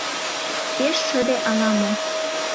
— Пеш шыде ала-мо.